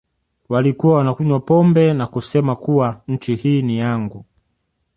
Walikuwa wanakunywa pombe na kusema kuwa nchi hii ni yangu